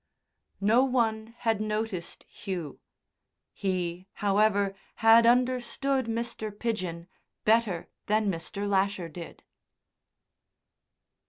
No one had noticed Hugh. He, however, had understood Mr. Pidgen better than Mr. Lasher did.